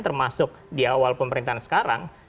termasuk di awal pemerintahan sekarang